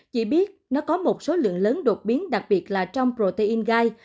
chỉ biết nó có một số lượng lớn đột biến đặc biệt là trong protein gai